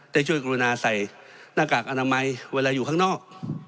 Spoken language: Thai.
ได้ช่วยกรุณาใส่หน้ากากอนามัยเวลาอยู่ข้างนอก